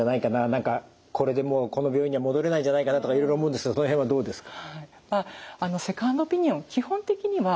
何かこれでもうこの病院には戻れないんじゃないかなとかいろいろ思うんですけどその辺はどうですか？